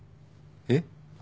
えっ？